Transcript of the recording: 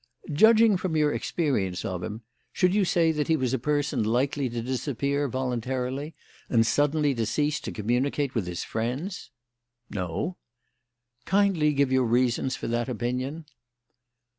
"Judging from your experience of him, should you say that he was a person likely to disappear voluntarily and suddenly to cease to communicate with his friends?" "No." "Kindly give your reasons for that opinion."